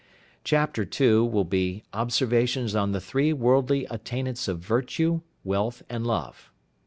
Chapter II. Observations on the three worldly attainments of Virtue, Wealth and Love.